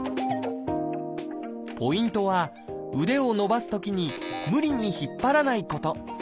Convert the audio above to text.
ポイントは腕を伸ばすときに無理に引っ張らないこと。